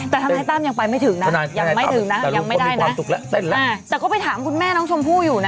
แต่ทนายตั้มยังไปไม่ถึงนะยังไม่ถึงนะยังไม่ได้นะแต่ก็ไปถามคุณแม่น้องชมพู่อยู่นะ